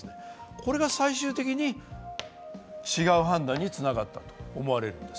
これが最終的に、違う判断につながったと思われるんです。